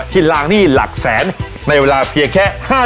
ที่ล้างหนี้หลักแสนในเวลาเพียงแค่